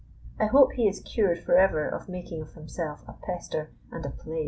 I hope he is cured forever of making of himself a pester and a plague.